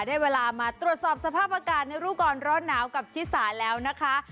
ได้เวลามาตรวจสอบสภาพอากาศในรู้ก่อนร้อนหนาวกับชิสาแล้วนะคะ